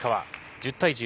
１０対１０。